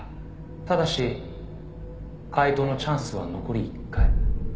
「ただし解答のチャンスは残り１回」